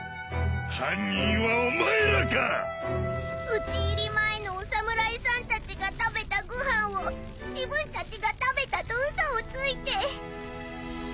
討ち入り前のお侍さんたちが食べたご飯を自分たちが食べたと嘘をついて。